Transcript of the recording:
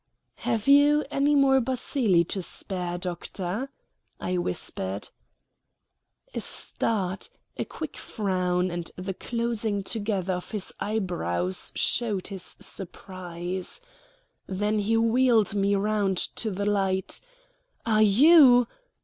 "Have you any more bacilli to spare, doctor?" I whispered. A start, a quick frown, and the closing together of his eyebrows showed his surprise. Then he wheeled me round to the light. "Are you